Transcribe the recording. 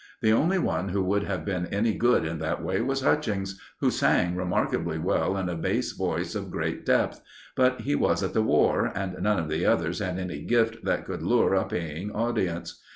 The only one who would have been any good in that way was Hutchings, who sang remarkably well in a bass voice of great depth; but he was at the War, and none of the others had any gift that could lure a paying audience.